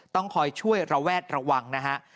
ต้องคอยช่วยระแวดระวังนะฮะ